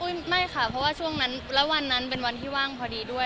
ไม่ค่ะเพราะว่าช่วงนั้นแล้ววันนั้นเป็นวันที่ว่างพอดีด้วย